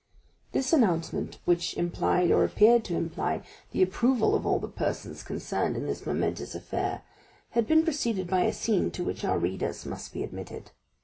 This formal announcement, which implied or appeared to imply, the approval of all the persons concerned in this momentous affair, had been preceded by a scene to which our readers must be admitted.